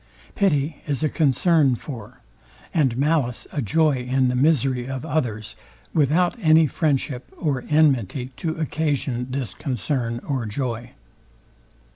Pity is a concern for, and malice a joy in the misery of others, without any friendship or enmity to occasion this concern or joy.